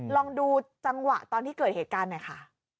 ลองดูจังหวะตอนที่เกิดเหตุการณ์หน่อยค่ะ